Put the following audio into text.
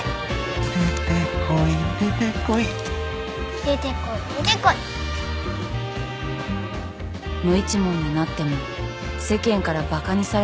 無一文になっても世間からバカにされても構わない。